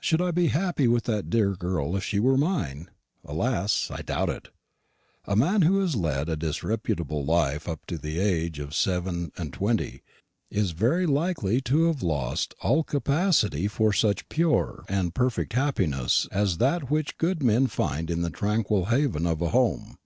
Should I be happy with that dear girl if she were mine? Alas! I doubt it. A man who has led a disreputable life up to the age of seven and twenty is very likely to have lost all capacity for such pure and perfect happiness as that which good men find in the tranquil haven of a home.